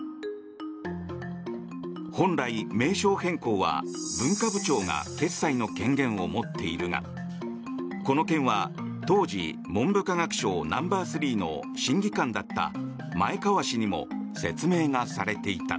本来、名称変更は文化部長が決裁の権限を持っているがこの件は当時、文部科学省ナンバー３の審議官だった前川氏にも説明がされていた。